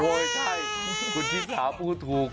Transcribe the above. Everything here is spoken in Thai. ใช่คุณชิสาพูดถูก